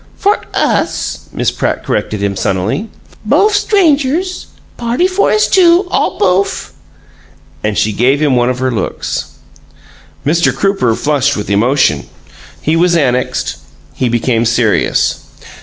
"For US," Miss Pratt corrected him, sunnily. "Bofe strangers party for us two all bofe!" And she gave him one of her looks. Mr. Crooper flushed with emotion; he was annexed; he became serious.